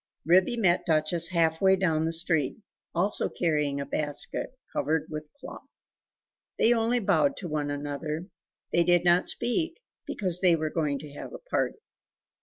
Ribby met Duchess half way own the street, also carrying a basket, covered with a cloth. They only bowed to one another; they did not speak, because they were going to have a party.